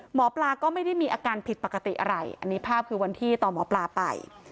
หมอปลาก็ไม่ได้มีอาการผิดปกติอะไรอันนี้ภาพคือวันที่ตอนหมอปลาไป